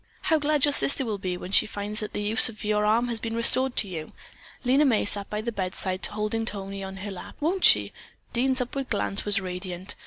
"How glad your sister will be when she finds that the use of your arm has been restored to you." Lena May sat by the bedside holding Tony on her lap. "Won't she?" Dean's upward glance was radiant.